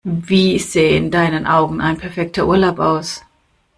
Wie sähe in deinen Augen ein perfekter Urlaub aus?